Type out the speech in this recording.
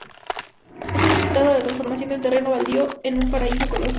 Es el resultado de la transformación de un terreno baldío en un paraíso ecológico.